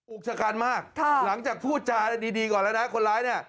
กชะกันมากหลังจากพูดจาดีก่อนแล้วนะคนร้ายเนี่ย